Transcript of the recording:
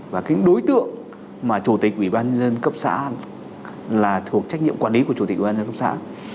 và cái đối tượng mà chủ tịch ủy ban nhân dân cấp xã là thuộc trách nhiệm quản lý của chủ tịch ủy ban dân cấp xã